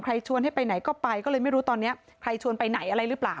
ชวนให้ไปไหนก็ไปก็เลยไม่รู้ตอนนี้ใครชวนไปไหนอะไรหรือเปล่า